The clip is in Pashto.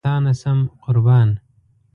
له تانه شم قربان